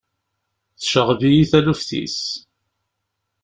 Tceɣɣeb-iyi taluft-is.